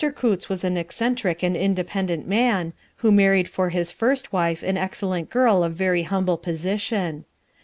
Coutts was an eccentric and independent man, who married for his first wife an excellent girl of very humble position.